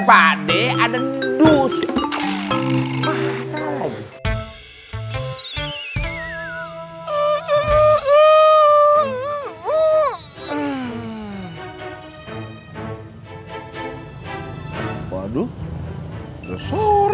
badai ada dusur